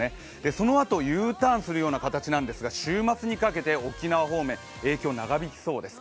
そのあとＵターンするような形なんですが、週末にかけて沖縄方面、影響が長引きそうです。